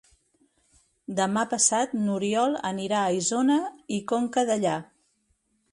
Demà passat n'Oriol anirà a Isona i Conca Dellà.